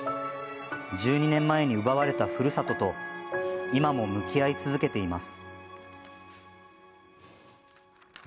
１２年前に奪われたふるさとと今も向き合い続けています。